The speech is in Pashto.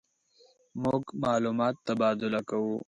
مونږ معلومات تبادله کوو.